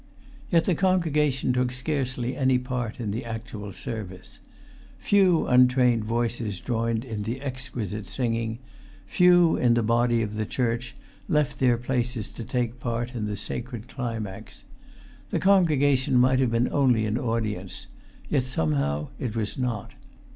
Yet the congregation took scarcely any part in the actual service. Few[Pg 363] untrained voices joined in the exquisite singing; few, in the body of the church, left their places to take part in the sacred climax. The congregation might have been only an audience; yet somehow it was not.